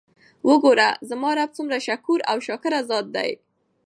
وګوره! زما رب څومره شکور او شاکر ذات دی!!؟